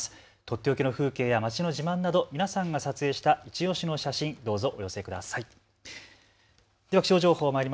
とっておきの風景や街の自慢など皆さんが撮影したいちオシ、ご応募ください。